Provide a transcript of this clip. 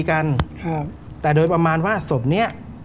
ครับแต่โดยประมาณว่าสบเนี่ย